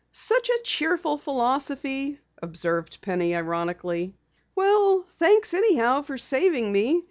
"Such a cheerful philosophy," observed Penny ironically. "Well, thanks anyhow for saving me.